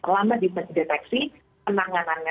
lama dideteksi penanganannya